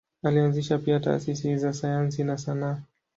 Alianzisha pia taasisi za sayansi na sanaa.